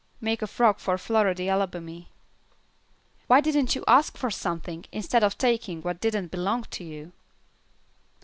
"Make a frock for Floridy Alabamy." "Why didn't you ask for something, instead of taking what didn't belong to you?"